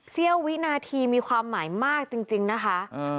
เสี้ยววินาทีมีความหมายมากจริงนะคะ